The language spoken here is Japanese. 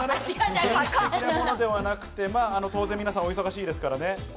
原始的なものではなくて、当然皆さんお忙しいですからね。